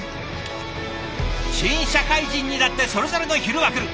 新社会人にだってそれぞれの昼はくる！